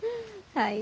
はい。